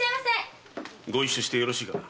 ご一緒してよろしいかな？